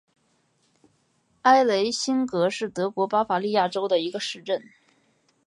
埃雷辛格是德国巴伐利亚州的一个市镇。